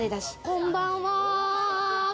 こんばんは。